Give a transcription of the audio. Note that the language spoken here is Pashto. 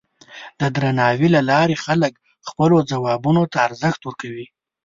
د درناوي له لارې خلک خپلو ځوابونو ته ارزښت ورکوي.